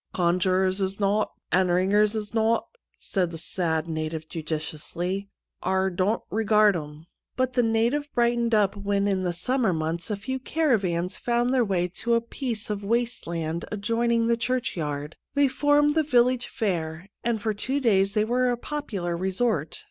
' Conjurers is nowt, an' ringers is nowt,' said the sad native judi ciously; ' ar domt regard 'em.' 100 THE END OF A SHOW But the native brightened up when in the summer months a few cara vans found their way to a piece of waste land adjoining the church yard. They formed the village fair, and for two days they were a popular resort.